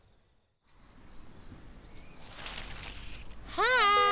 はい！